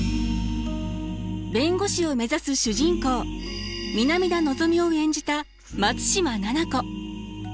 弁護士を目指す主人公南田のぞみを演じた松嶋菜々子。